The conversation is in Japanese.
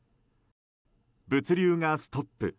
物流がストップ。